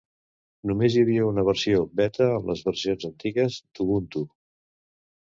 Només hi havia una versió Beta en les versions antigues d'Ubuntu.